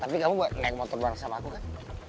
tapi kamu mau naik motorbang sama aku kan